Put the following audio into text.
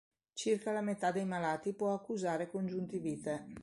Circa la metà dei malati può accusare congiuntivite.